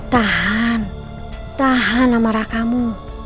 tahan tahan amarah kamu